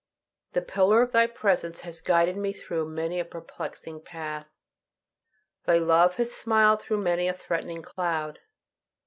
The pillar of Thy presence has guided me through many a perplexing path. Thy love has smiled through many a threatening cloud.